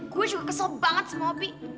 gue juga kesel banget sama opi